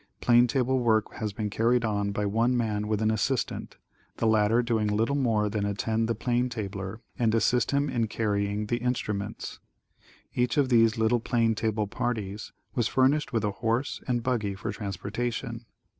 Plane table work has been carried on by one man with an assistant, the latter doing little more than attend the plane tabler and assist him in carrying the instruments. Each of these little plane table parties was furnished with a horse and buggy for transportation.